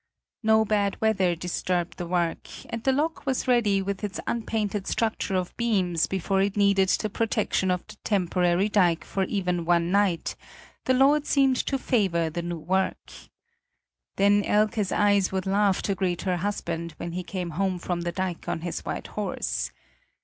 No bad weather disturbed the work, and the lock was ready with its unpainted structure of beams before it needed the protection of the temporary dike for even one night; the Lord seemed to favor the new work. Then Elke's eyes would laugh to greet her husband when he came home from the dike on his white horse.